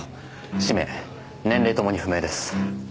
氏名年齢共に不明です。